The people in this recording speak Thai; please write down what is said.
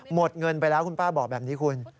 หมดเงินไปแล้วคุณป้าบอกแบบนี้คุณ